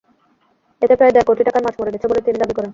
এতে প্রায় দেড় কোটি টাকার মাছ মরে গেছে বলে তিনি দাবি করেন।